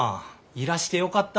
いらしてよかった。